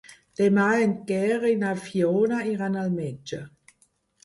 Demà en Quer i na Fiona iran al metge.